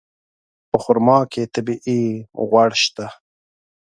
په خرما کې طبیعي غوړ شته.